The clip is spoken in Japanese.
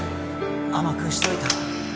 甘くしといた